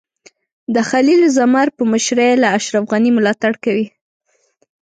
د خلیل زمر په مشرۍ له اشرف غني ملاتړ کوي.